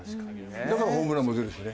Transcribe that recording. だからホームランも打てるしね。